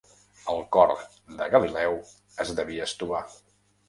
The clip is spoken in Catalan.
El cor de Galileu es devia estovar.